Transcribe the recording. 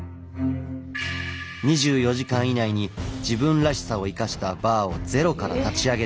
２４時間以内に自分らしさを生かしたバーをゼロから立ち上げること。